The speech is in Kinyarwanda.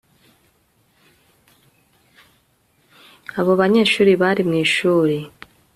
Abo banyeshuri bari mwishuri